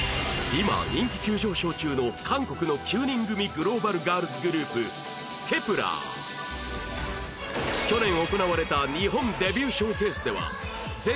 今人気急上昇中の韓国の９人組グローバルガールズグループ Ｋｅｐ１ｅｒ去年行われた日本デビューショーケースでは全